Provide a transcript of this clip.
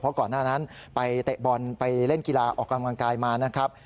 ก่อนหน้านั้นไปเตะบอลไปเล่นกีฬาออกกำลังกายมานะครับ